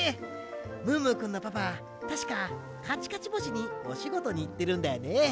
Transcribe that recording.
ムームーくんのパパたしかかちかち星におしごとにいってるんだよね。